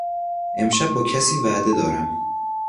امشب با کسی وعده دارم.